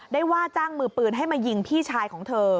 ว่าจ้างมือปืนให้มายิงพี่ชายของเธอ